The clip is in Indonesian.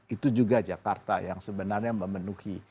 itu juga jakarta yang sebenarnya memenuhi